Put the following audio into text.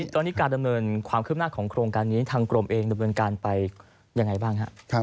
ตอนนี้การดำเนินความคืบหน้าของโครงการนี้ทางกรมเองดำเนินการไปยังไงบ้างครับ